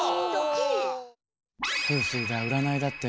風水だ占いだって。